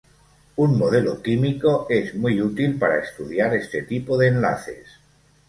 Un modelo químico es muy útil para estudiar este tipo de enlaces.